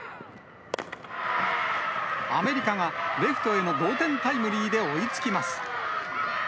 アメリカがレフトへの同点タイムリーで追いつきます。